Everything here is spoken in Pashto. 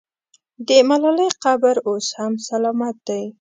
د ملالۍ قبر اوس هم سلامت دی.